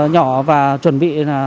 nhỏ và chuẩn bị